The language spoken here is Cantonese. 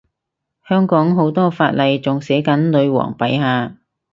香港好多法例仲寫緊女皇陛下